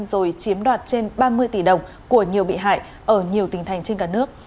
rồi chiếm đoạt trên ba mươi tỷ đồng của nhiều bị hại ở nhiều tỉnh thành trên cả nước